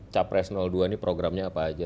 capres dua ini programnya apa aja